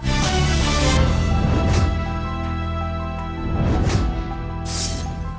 น้องบอสครับ